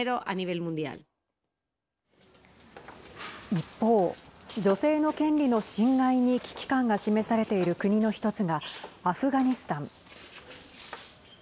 一方、女性の権利の侵害に危機感が示されている国の１つがアフガニスタン。